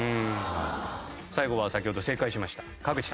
最後は先ほど正解しました川口さん。